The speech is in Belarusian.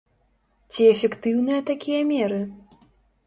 Ці эфектыўныя такія меры?